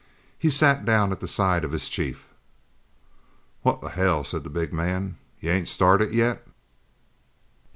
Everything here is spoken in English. He sat down at the side of his chief. "What the hell?" said the big man, "ain't you started yet?"